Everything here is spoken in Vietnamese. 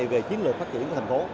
về chiến lược phát triển của thành phố